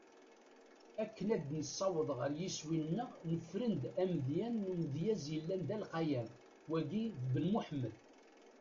Akken ad nessaweḍ ɣer yiswi-neɣ, nefren-d amedya n umedyaz yellan d alqayan: Wagi d Ben Muḥemmed.